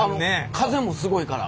風もすごいから。